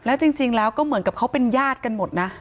แล้วจริงแล้วก็เหมือนกับเขาเป็นญาติกันหมดนะ